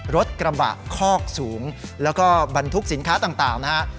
รถกระบะคอกสูงแล้วก็บรรทุกสินค้าต่างนะฮะ